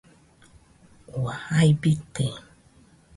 Ua, jai bite